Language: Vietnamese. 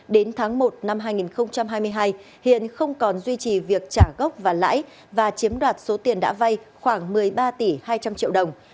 đến tháng một năm hai nghìn hai mươi hai hiền không còn duy trì việc trả gốc và lãi và chiếm đoạt số tiền đã vay khoảng một mươi ba tỷ hai trăm linh triệu đồng